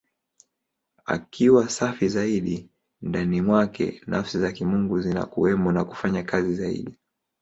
Akiwa safi zaidi, ndani mwake Nafsi za Kimungu zinakuwemo na kufanya kazi zaidi.